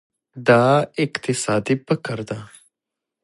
دا اقتصادي فقر ده.